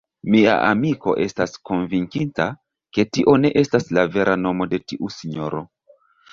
Mia amiko estas konvinkita, ke tio ne estas la vera nomo de tiu sinjoro.